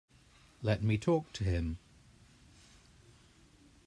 Let me talk to him.